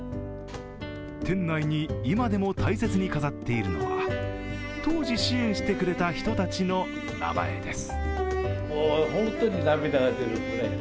店内に今でも大切に飾っているのは当時支援してくれた人たちの名前です。